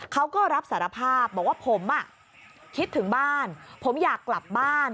เขาก็รับสารภาพบอกว่าผมคิดถึงบ้านผมอยากกลับบ้าน